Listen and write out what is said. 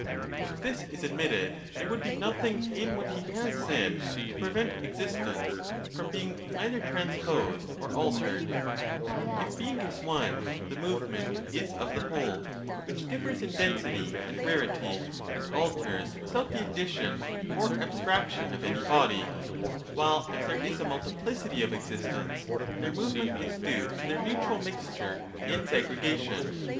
If this is admitted, there would be nothing in what he has said to prevent existents from being either transposed or altered ; if Being is one, 977 a the movement is of the whole, which differs in density and rarity, and alters without the addition or abstraction of any body ; while, if there is a multiplicity of existents, their movement is due to their mutual mixture and segregation.